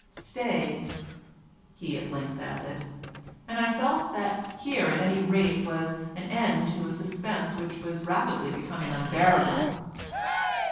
"Stay," he at length added, and I felt that here at any rate was an end to a suspense which was rapidly becoming unbearable.